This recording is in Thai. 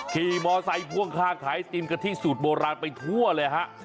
ขี่มอไซค์พ่วงข้างขายไอติมกะทิสูตรโบราณไปทั่วเลยฮะ